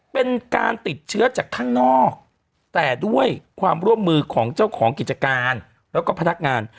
เป็นการติดเชื้อจากข้างนอกแต่ด้วยความร่วมมือของเจ้าของกิจการแล้วก็พนักงาน